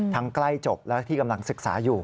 ใกล้จบและที่กำลังศึกษาอยู่